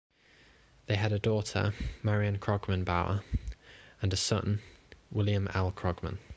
They had a daughter, Marian Krogman Baur, and a son, William L. Krogman.